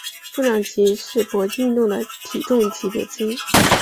重量级是搏击运动的体重级别之一。